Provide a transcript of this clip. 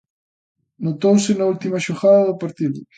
Notouse na última xogada do partido.